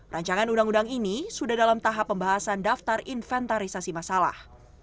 rancangan undang undang ini sudah dalam tahap pembahasan daftar inventarisasi masalah